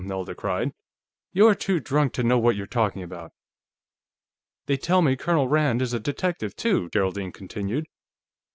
Nelda cried. "You're too drunk to know what you're talking about!" "They tell me Colonel Rand is a detective, too," Geraldine continued.